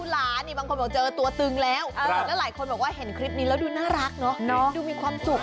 แล้วชาวเน็ตหลายคนก็ไอ้